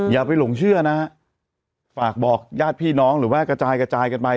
อย่าไปหลงเชื่อนะฮะฝากบอกญาติพี่น้องหรือว่ากระจายกระจายกันไป